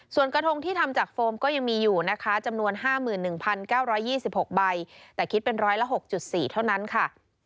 ส่วนกระทงที่ทำจากโฟมก็ยังมีอยู่นะคะจำนวน๕๑๙๒๖ใบแต่คิดเป็นร้อยละ๖๔เท่านั้นค่ะ